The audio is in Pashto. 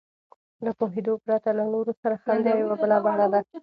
له پوهېدو پرته له نورو سره خندا یوه بله بڼه ده.